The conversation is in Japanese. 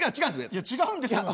いや「違うんですよ」。